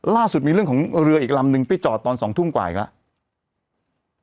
ล่าสุดมีเรื่องของเรืออีกลำนึงไปจอดตอน๒ทุ่มกว่าอีกแล้ว